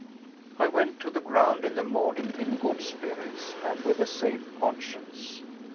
I went to the ground in the morning in good spirits, and with a safe conscience.